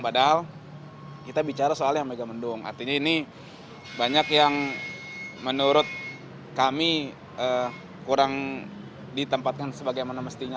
padahal kita bicara soal yang megamendung artinya ini banyak yang menurut kami kurang ditempatkan sebagaimana mestinya